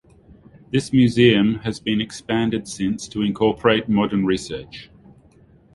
This museum has been expanded since to incorporate modern research.